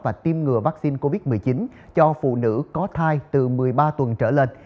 và tiêm ngừa vaccine covid một mươi chín cho phụ nữ có thai từ một mươi ba tuần trở lên